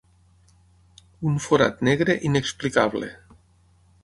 Un forat negre inexplicable.